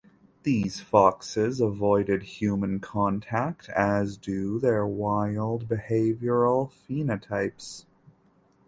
These foxes avoided human contact as do their wild behavioral phenotypes.